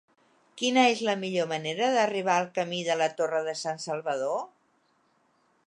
Quina és la millor manera d'arribar al camí de la Torre de Sansalvador?